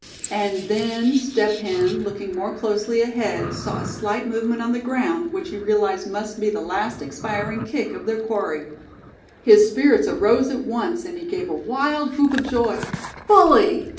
And then, Step Hen, looking more closely ahead, saw a slight movement on the ground, which he realized must be the last expiring kick of their quarry. His spirits arose at once, and he gave a wild whoop of joy. "Bully!